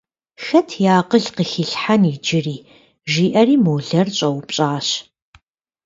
Хэт и акъыл къыхилъхьэн иджыри, – жиӀэри молэр щӀэупщӀащ.